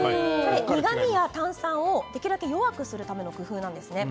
苦みや炭酸をできるだけ弱くするための工夫なんです。